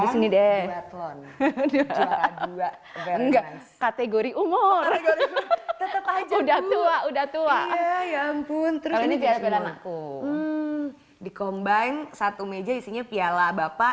di sini deh kategori umur udah tua udah tua ya ampun terus ini dikomban satu meja isinya piala